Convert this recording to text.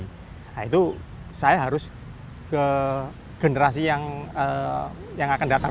nah itu saya harus ke generasi yang akan datang